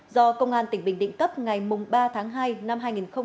do công an tỉnh bình định cấp ngày ba tháng hai năm hai nghìn một mươi hai